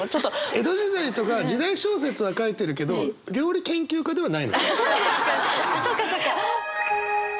江戸時代とか時代小説は書いてるけど料理研究家ではないのよ。